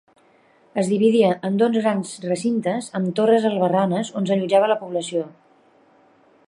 Es dividia en dos grans recintes amb torres albarranes, on s'allotjava la població.